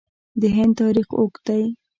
د هند تاریخ اوږد دی.